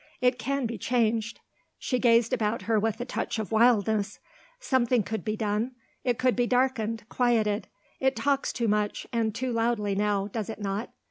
It can be changed," she gazed about her with a touch of wildness. "Something could be done. It could be darkened; quieted; it talks too much and too loudly now, does it not?